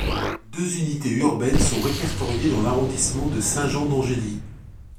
Deux unités urbaines sont répertoriées dans l'arrondissement de Saint-Jean-d'Angély.